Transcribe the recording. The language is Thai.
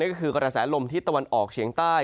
ก็คือกระแสลมทิศตะวันออกเฉียงใต้